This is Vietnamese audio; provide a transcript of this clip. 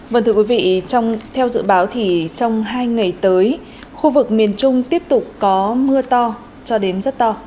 vâng thưa quý vị theo dự báo thì trong hai ngày tới khu vực miền trung tiếp tục có mưa to cho đến rất to